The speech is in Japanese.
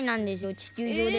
地球上で。